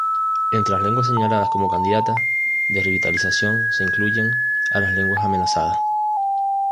Entre las lenguas señaladas como candidatas de revitalización, se incluyen a las lenguas amenazadas.